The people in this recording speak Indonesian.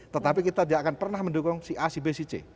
tetapi kita tidak akan pernah mendukung si a si b si c